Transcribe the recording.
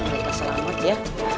kita selamat ya